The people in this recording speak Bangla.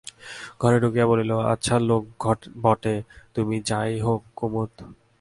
ঘরে ঢুকিয়াই বলিল, আচ্ছা লোক বটে তুমি যা হোক কুমুদ!